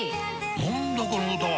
何だこの歌は！